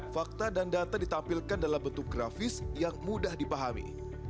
fakta dan data ditampilkan dalam bentuk grafis yang mudah dipahami